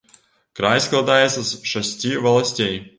Край складаецца з шасці валасцей.